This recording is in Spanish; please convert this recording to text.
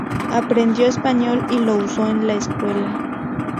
Aprendió español y lo usó en la escuela.